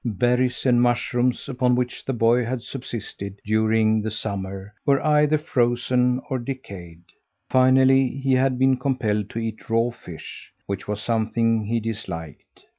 Berries and mushrooms, upon which the boy had subsisted during the summer, were either frozen or decayed. Finally he had been compelled to eat raw fish, which was something he disliked.